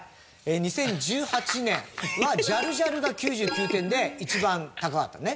２０１８年はジャルジャルが９９点で一番高かったのね。